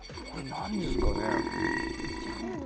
これ何ですかね？